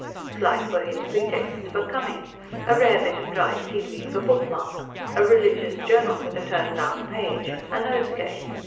Slight were his pretexts for coming: a rare bit of dried seaweed for bookmark; a religious journal with a turned down page; a nosegay.